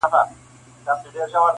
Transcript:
چا خندله چا به ټوکي جوړولې-